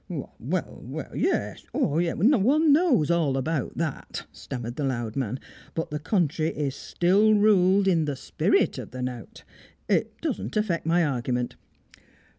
"Well, well yes; yes one knows all about that," stammered the loud man. "But the country is still ruled in the spirit of the knout. It doesn't affect my argument.